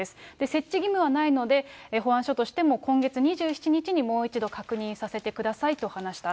設置義務はないので、保安署としても今月２７日にもう一度確認させてくださいと話した。